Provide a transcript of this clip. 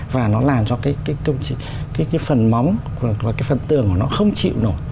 và nó làm cho cái phần móng và cái phần tường của nó không chịu nổi